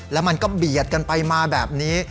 แล้วมันก็เบียดกันไปมาแบบนี้